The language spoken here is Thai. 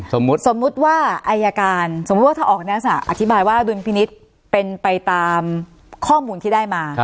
สมมุติว่าอายการสมมุติว่าถ้าออกในลักษณะอธิบายว่าดุลพินิษฐ์เป็นไปตามข้อมูลที่ได้มา